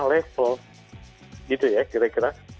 level gitu ya kira kira